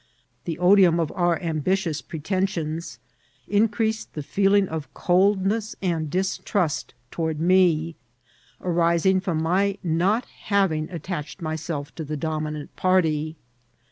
The odium of our ambitious pretensicMis increased the feeling of coldness and distrust toward me, arising firom my not having attached myself to the dominant party.